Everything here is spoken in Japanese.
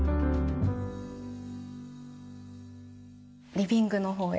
リビングの方へ。